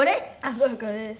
これです。